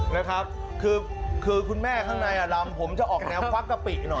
แล้วครับคือคุณแม่ข้างในนีรามผมจะออกแนวฟักกับปิหน่อย